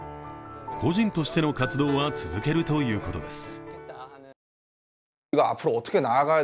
個人としての活動は続けるということです。